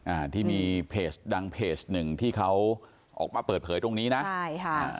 อ่าที่มีเพจดังเพจหนึ่งที่เขาออกมาเปิดเผยตรงนี้นะใช่ค่ะ